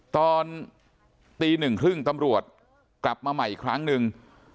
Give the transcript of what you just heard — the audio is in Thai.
ตอนตีหนึ่งครึ่งตำรวจกลับมาใหม่อีกครั้งหนึ่ง